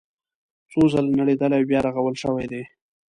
څو ځله نړېدلي او بیا رغول شوي دي.